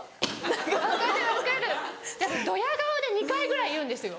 何かドヤ顔で２回ぐらい言うんですよ。